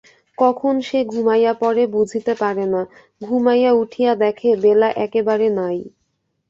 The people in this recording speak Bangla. কখন সে ঘুমাইয়া পড়ে বুঝিতে পারে না, ঘুমাইয়া উঠিয়া দেখে বেলা একেবারে নাই।